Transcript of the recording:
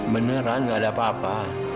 beneran gak ada apa apa